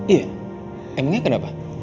iya emangnya kenapa